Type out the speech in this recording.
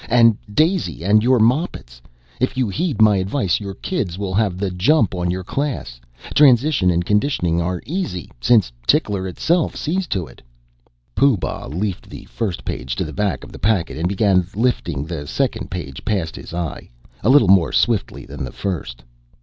And Daisy and your moppets. If you heed my advice, your kids will have the jump on your class. Transition and conditioning are easy, since Tickler itself sees to it." Pooh Bah leafed the first page to the back of the packet and began lifting the second past his eye a little more swiftly than the first.